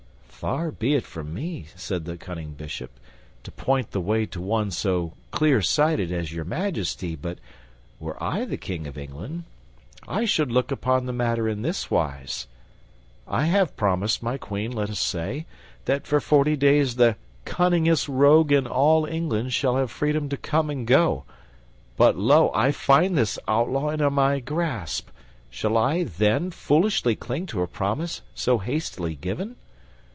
"Far be it from me," said the cunning Bishop, "to point the way to one so clear sighted as Your Majesty; but, were I the King of England, I should look upon the matter in this wise: I have promised my Queen, let us say, that for forty days the cunningest rogue in all England shall have freedom to come and go; but, lo! I find this outlaw in my grasp; shall I, then, foolishly cling to a promise so hastily given?